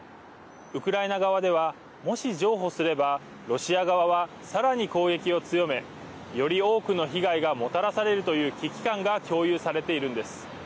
ウクライナ側ではもし譲歩すればロシア側は、さらに攻撃を強めより多くの被害がもたらされるという危機感が共有されているんです。